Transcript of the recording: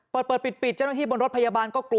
เปิดเปิดปิดเจ้าหน้าที่บนรถพยาบาลก็กลัว